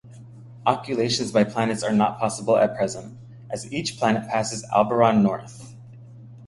Occultations by planets are not possible at present, as each planet passes Aldebaran north.